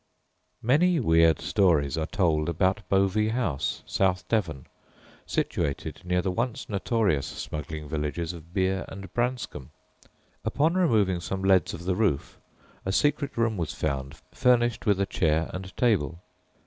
Many weird stories are told about Bovey House, South Devon, situated near the once notorious smuggling villages of Beer and Branscombe. Upon removing some leads of the roof a secret room was found, furnished with a chair and table.